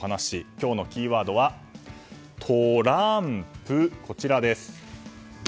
今日のキーワードは、トランプ。